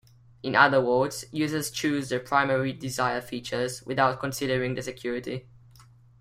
In other words, users choose their primary desire features without considering the security.